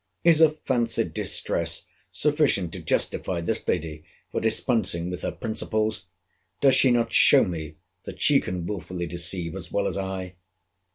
Is a fancied distress, sufficient to justify this lady for dispensing with her principles? Does she not show me that she can wilfully deceive, as well as I?